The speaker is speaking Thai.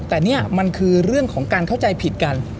แต่นี่มันคือเรื่องของการเข้าใจผิดกัน